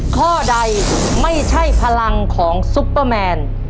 ข้อใดไม่ใช่พลังของซุปเปอร์แมน